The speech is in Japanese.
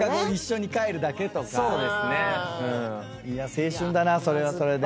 青春だなそれはそれで。